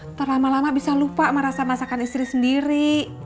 ntar lama lama bisa lupa merasa masakan istri sendiri